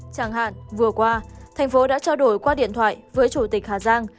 chẳng hạn vừa qua tp hcm đã trao đổi qua điện thoại với chủ tịch hà giang